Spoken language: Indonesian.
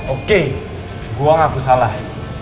oke gua gak bersalah